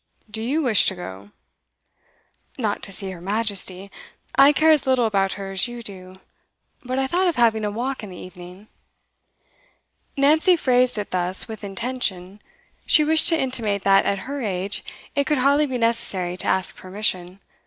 Do you wish to go?' 'Not to see Her Majesty. I care as little about her as you do. But I thought of having a walk in the evening.' Nancy phrased it thus with intention. She wished to intimate that, at her age, it could hardly be necessary to ask permission.